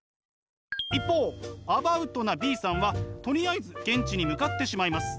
一方アバウトなＢさんはとりあえず現地に向かってしまいます。